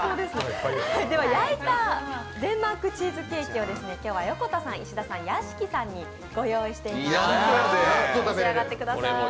焼いたデンマークチーズケーキを今日は横田さん、石田さん、屋敷さんにご用意しています。